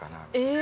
え！